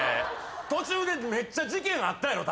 途中でめっちゃ事件あったやろ。